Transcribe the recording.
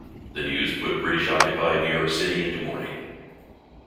The news put British-occupied New York City into mourning.